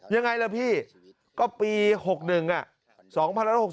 ยังไงล่ะพี่ก็ปี๖๑อ่ะ